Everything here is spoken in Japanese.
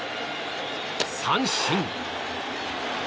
三振。